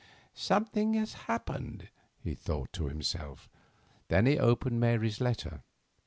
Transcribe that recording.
"Something has happened," he thought to himself. Then he opened Mary's letter.